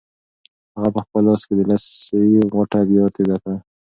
هغه په خپل لاس کې د لسي غوټه بیا تېزه کړه.